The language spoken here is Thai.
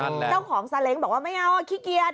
เจ้าของซาเล้งบอกว่าไม่เอาขี้เกียจ